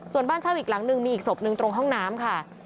ส่วนบ้านเช่าอีกหลังหนึ่งมีอีกศพหนึ่งตรงห้องน้ำค่ะ